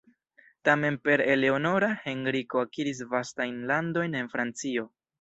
Tamen per Eleonora, Henriko akiris vastajn landojn en Francio.